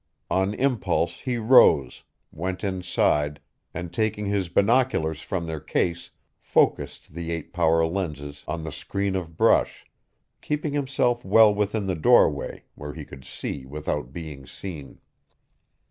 On impulse he rose, went inside, and taking his binoculars from their case, focused the eight power lenses on the screen of brush, keeping himself well within the doorway where he could see without being seen.